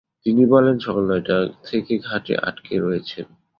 তিনি বলেন, সকাল নয়টা থেকে ঘাটে আটকে রয়েছেন।